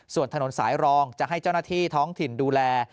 ส่วนถนนสายรองจะให้เจ้าหน้าที่ท้องถิ่นดูแล